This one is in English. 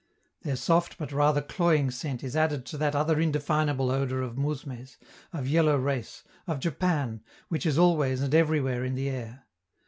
Their soft but rather cloying scent is added to that other indefinable odor of mousmes, of yellow race, of Japan, which is always and everywhere in the air.